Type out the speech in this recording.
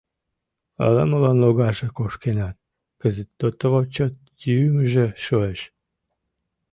Ала-молан логарже кошкенат, кызыт дотово чот йӱмыжӧ шуэш.